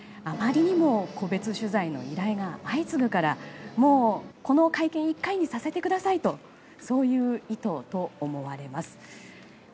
あまりにも個別取材の依頼が相次ぐからもう、この会見１回にさせてくださいとそういう意図と思われます。